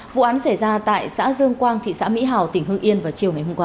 vụ án xảy ra tại xã dương quang thị xã mỹ hào tỉnh hương yên vào chiều ngày hôm qua